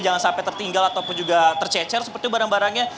jangan sampai tertinggal ataupun juga tercecer seperti barang barangnya